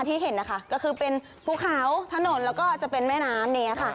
ที่เห็นนะคะก็คือเป็นภูเขาถนนแล้วก็จะเป็นแม่น้ำอย่างนี้ค่ะ